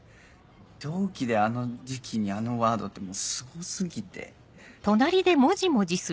同期であの時期にあのワードってすご過ぎて。